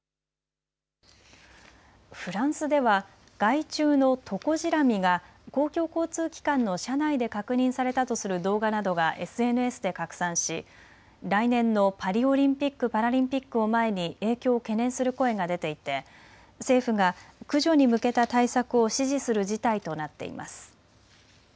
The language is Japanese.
フランスでは害虫のトコジラミが公共交通機関の車内で確認されたとする動画などがＳＮＳで拡散し来年のパリオリンピック・パラリンピックを前に影響を懸念する声が出ていて政府が駆除に向けた対策を指示する事態となっています。